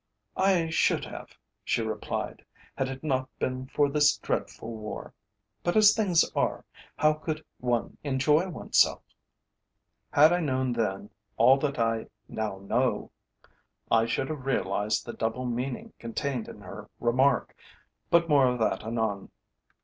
"I should have," she replied, "had it not been for this dreadful war. But as things are, how could one enjoy oneself?" Had I known then all that I now know, I should have realized the double meaning contained in her remark. But more of that anon.